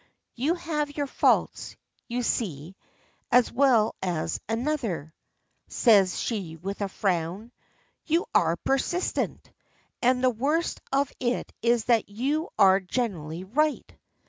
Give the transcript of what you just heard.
"You have your faults, you see, as well as another," says she with a frown. "You are persistent! And the worst of it is that you are generally right."